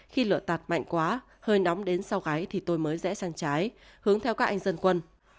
khi lửa tạt mạnh quá hơi nóng đến sau gáy thì tôi mới rẽ sang trái hướng theo các anh dân quân